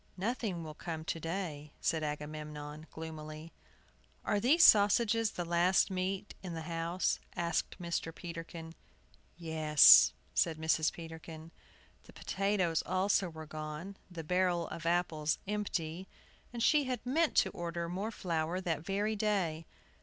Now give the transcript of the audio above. "Nothing will come to day," said Agamemnon, gloomily. "Are these sausages the last meat in the house?" asked Mr. Peterkin. "Yes," said Mrs. Peterkin. The potatoes also were gone, the barrel of apples empty, and she had meant to order more flour that very day.